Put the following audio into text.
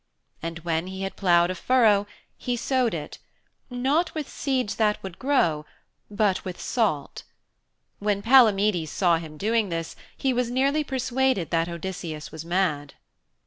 And when he had ploughed a furrow he sowed it, not with seeds that would grow, but with salt. When Palamedes saw him doing this he was nearly persuaded that Odysseus was mad.